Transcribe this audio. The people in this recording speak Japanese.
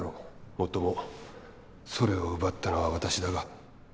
もっともそれを奪ったのは私だが。